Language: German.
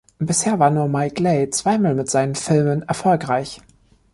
Bisher war nur Mike Leigh zweimal mit seinen Filmen erfolgreich.